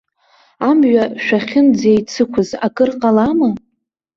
Амҩа шәахьынӡеицықәыз акыр ҟалама?